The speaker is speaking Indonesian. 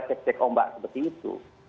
cek cek ombak seperti itu